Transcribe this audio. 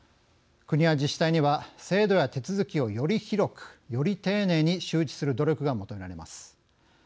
国や自治体には制度や手続きをより広くより丁寧に周知する努力が求められます。